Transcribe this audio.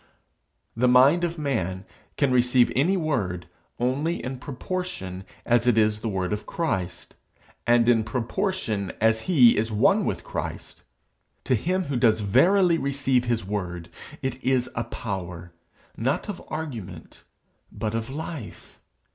The mind of man call receive any word only in proportion as it is the word of Christ, and in proportion as he is one with Christ. To him who does verily receive his word, it is a power, not of argument, but of life.